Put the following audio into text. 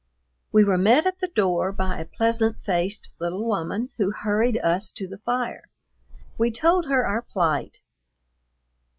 We were met at the door by a pleasant faced little woman who hurried us to the fire. We told her our plight.